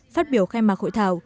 phát biểu khai mạc hội thảo